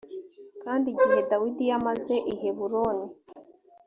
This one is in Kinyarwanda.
kandi igihe dawidi yamaze i heburoni